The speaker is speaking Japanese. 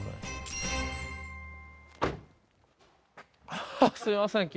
あっすいません